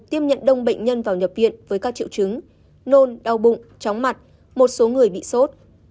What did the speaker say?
tiếp nhận đông bệnh nhân vào nhập viện với các triệu chứng nôn đau bụng chóng mặt một số người bị sốt